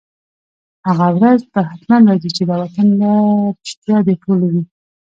هغه ورځ به حتماً راځي، چي دا وطن به رشتیا د ټولو وي